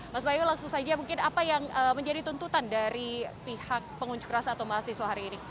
mas bayu langsung saja mungkin apa yang menjadi tuntutan dari pihak pengunjuk rasa atau mahasiswa hari ini